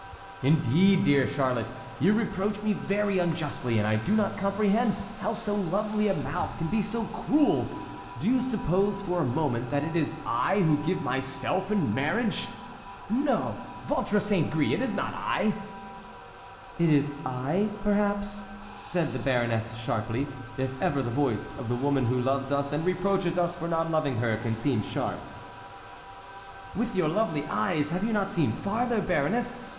"Indeed, dear Charlotte, you reproach me very unjustly, and I do not comprehend how so lovely a mouth can be so cruel. Do you suppose for a moment that it is I who give myself in marriage? No, ventre saint gris, it is not I!" "It is I, perhaps," said the baroness, sharply,—if ever the voice of the woman who loves us and reproaches us for not loving her can seem sharp. "With your lovely eyes have you not seen farther, baroness?